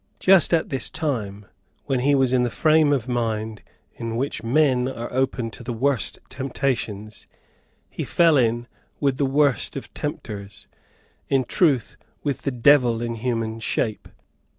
Just at this time, when he was in the frame of mind in which men are open to the worst temptations, he fell in with the worst of tempters, in truth, with the Devil in human shape.